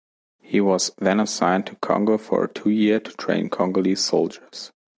He was then assigned to Congo for a two-year to train Congolese soldiers.